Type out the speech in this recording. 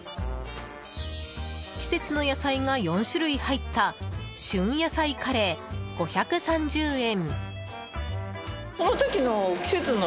季節の野菜が４種類入った旬野菜カレー、５３０円。